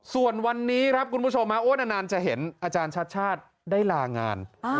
ส่วนวันนี้ครับคุณผู้ชมนานจะเห็นอาจารย์ชัดชาติได้ลางาน